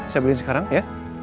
saya beliin sekarang ya